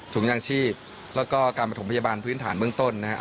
ยางชีพแล้วก็การประถมพยาบาลพื้นฐานเบื้องต้นนะครับ